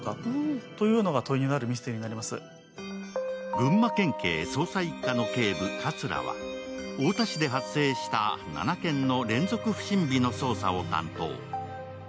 群馬県警捜査一課の警部・葛は太田市で発生した７件の連続不審火の捜査を担当。